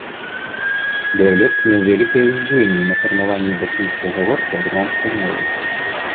Дыялект меў вялікае ўздзеянне на фармаванне бакінскай гаворкі армянскай мовы.